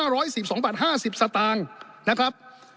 ร้อยสิบสองบาทห้าสิบสตางค์นะครับ